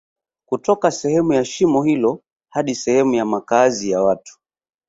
kutoka sehemu ya shimo hilo hadi sehemu ya makazi ya watu